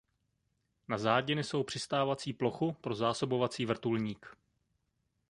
Na zádi nesou přistávací plochu pro zásobovací vrtulník.